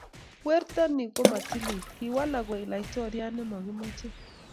Werto ni ki matilil ,kiwalak koek laitoryat ne makimechei